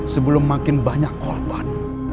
sebelum makin banyak korban